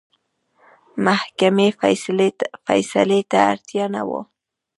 محکمې فیصلې ته اړتیا نه وه.